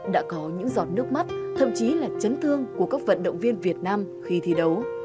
đã có những giọt nước mắt thậm chí là chấn thương của các vận động viên việt nam khi thi đấu